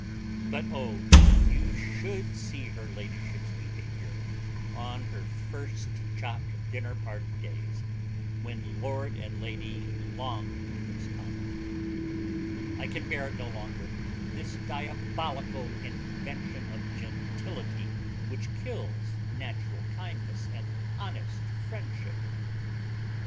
But oh, you should see her ladyship's behaviour on her first chop dinner party days, when Lord and Lady Longears come! I can bear it no longer this diabolical invention of gentility which kills natural kindliness and honest friendship.